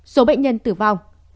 số bệnh nhân tử vong